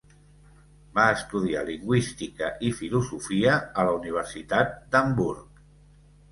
Va estudiar lingüística i filosofia a la universitat d'Hamburg.